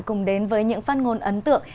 cùng đến với những phát ngôn ấn tượng